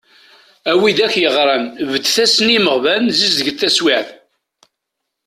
A widak yeɣran, beddet-asen i yimeɣban, zizdeget taswiɛt.